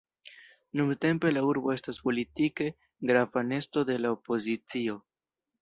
Nuntempe la urbo estas politike grava nesto de la opozicio.